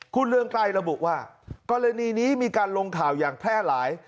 คุณเรืองไกรระบุว่ากรณีนี้มีการลงข่าวอย่างแพร่หลาย